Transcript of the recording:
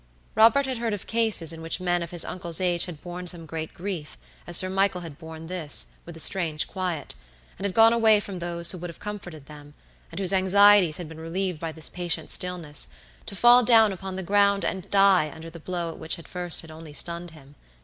Robert had heard of cases in which men of his uncle's age had borne some great grief, as Sir Michael had borne this, with a strange quiet; and had gone away from those who would have comforted them, and whose anxieties have been relieved by this patient stillness, to fall down upon the ground and die under the blow which at first had only stunned him.